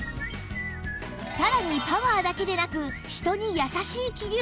さらにパワーだけでなく人に優しい気流も特長！